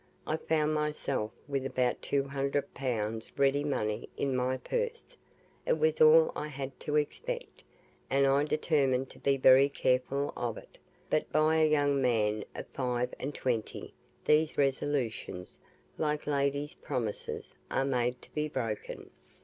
I found myself with about 200 pounds ready money in my purse it was all I had to expect, and I determined to be very careful of it; but by a young man of five and twenty these resolutions, like lady's promises, are made to be broken.